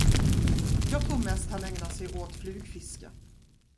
Jag tror mest han ägnar sig åt flugfiske.